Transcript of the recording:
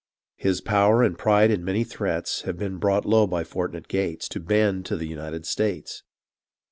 His power and pride and many threats Have been brought low by forfnate Gates To bend to the United States.